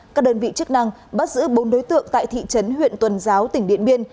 các đơn vị chức năng bắt giữ bốn đối tượng tại thị trấn huyện tuần giáo tỉnh điện biên